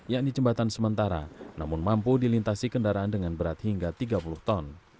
yakni jembatan sementara namun mampu dilintasi kendaraan dengan berat hingga tiga puluh ton